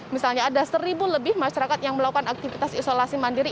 misalnya ada seribu lebih masyarakat yang melakukan aktivitas isolasi mandiri